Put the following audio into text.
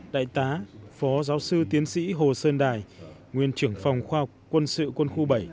đại tá phó giáo sư tiến sĩ hồ sơn đài nguyên trưởng phòng khoa học quân sự quân khu bảy